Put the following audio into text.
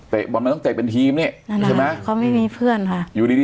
บอลมันต้องเตะเป็นทีมนี่นั่นใช่ไหมเขาไม่มีเพื่อนค่ะอยู่ดีดี